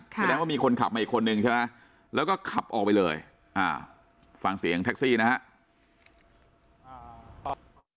แสดงว่ามีคนขับมาอีกคนนึงใช่ไหมแล้วก็ขับออกไปเลยฟังเสียงแท็กซี่นะครับ